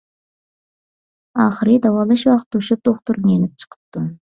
ئاخىرى داۋالاش ۋاقتى توشۇپ دوختۇردىن يېنىپ چىقىپتۇ.